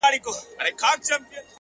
دا درې جامونه په واوښتل.!